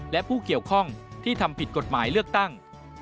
และผู้เกี่ยวข้องที่ทำผิดกฎหมายเลือกตั้ง